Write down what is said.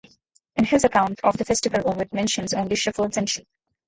In his account of the festival Ovid mentions only shepherds and sheep.